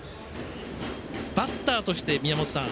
バッターとして、宮本さん